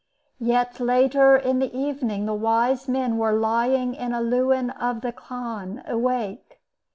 Yet later in the evening the wise men were lying in a lewen of the khan awake.